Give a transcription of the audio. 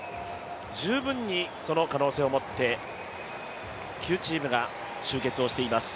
十分にその可能性を持って、９チームが集結しています。